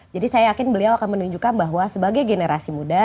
jadi saya yakin beliau akan menunjukkan bahwa sebagai generasi muda